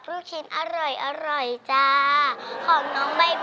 แล้วน้องใบบัวร้องได้หรือว่าร้องผิดครับ